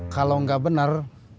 kalau gak benar